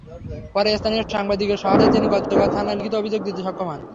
পরে স্থানীয় সাংবাদিকদের সহায়তায় তিনি গতকাল থানায় লিখিত অভিযোগ দিতে সক্ষম হন।